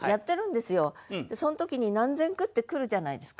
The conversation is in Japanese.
でその時に何千句って来るじゃないですか。